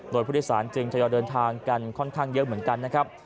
โดยผู้โดยสารจึงทยอยเดินทางกันค่อนข้างเยอะเหมือนกันนะครับ